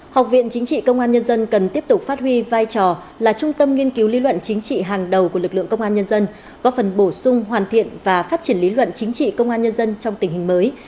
học viện chính trị công an nhân dân cần tiếp tục phát huy vai trò là trung tâm nghiên cứu lý luận chính trị hàng đầu của lực lượng công an nhân dân góp phần bổ sung hoàn thiện và phát triển lý luận chính trị công an nhân dân trong tình hình mới